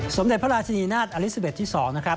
สมเด็จพระราชนีนาฏอลิซาเบสที่๒นะครับ